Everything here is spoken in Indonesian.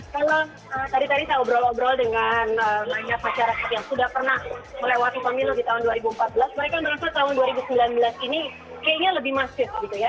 kalau tadi tadi saya obrol obrol dengan banyak masyarakat yang sudah pernah melewati pemilu di tahun dua ribu empat belas mereka merasa tahun dua ribu sembilan belas ini kayaknya lebih masif gitu ya